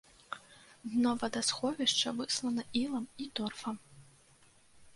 Дно вадасховішча выслана ілам і торфам.